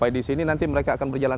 akibat pengguna maupun